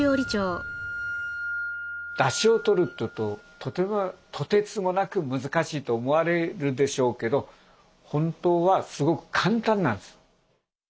だしをとるっていうととてつもなく難しいと思われるでしょうけど本当はすごく簡単なんです。